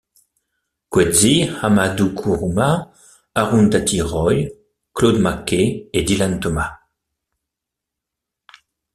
Coetzee, Ahmadou Kourouma, Arundhati Roy, Claude McKay et Dylan Thomas.